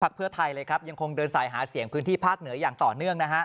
เพื่อไทยเลยครับยังคงเดินสายหาเสียงพื้นที่ภาคเหนืออย่างต่อเนื่องนะฮะ